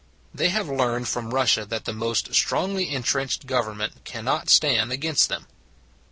They have learned from Russia that the most strongly intrenched government can not stand against them.